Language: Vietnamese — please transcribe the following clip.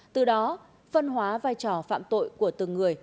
từ đó phân hóa vai trò phạm tội của từng người